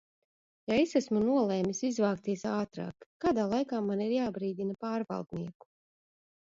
Ja es esmu nolēmis izvākties ātrāk, kādā laikā man ir jābrīdina pārvaldnieku?